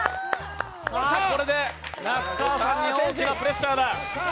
これで那須川さんに大きなプレッシャーだ。